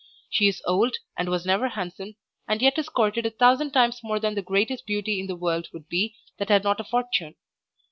She is old and was never handsome, and yet is courted a thousand times more than the greatest beauty in the world would be that had not a fortune.